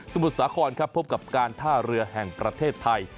มุทรสาครครับพบกับการท่าเรือแห่งประเทศไทย